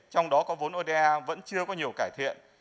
trong đó có vốn oda vẫn chưa có nhiều cải thiện